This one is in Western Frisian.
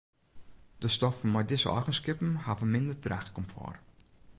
De stoffen mei dizze eigenskippen hawwe minder draachkomfort.